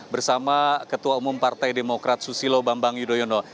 bersama ketua umum partai demokrat susilo bambang yudhoyono